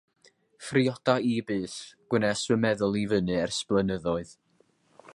Phrioda i byth, gwnes fy meddwl i fyny ers blynyddoedd.